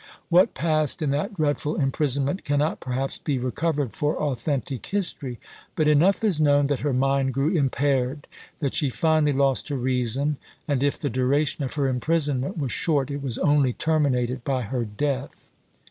What passed in that dreadful imprisonment cannot perhaps be recovered for authentic history; but enough is known; that her mind grew impaired, that she finally lost her reason, and if the duration of her imprisonment was short, it was only terminated by her death.